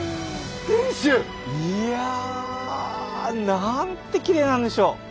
いやなんてきれいなんでしょう！